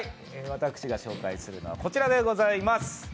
私が紹介するのはこちらでございます。